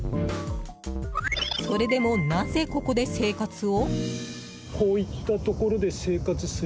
それでも、なぜここで生活を？